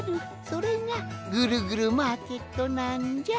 それがぐるぐるマーケットなんじゃ。